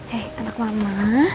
hei anak mama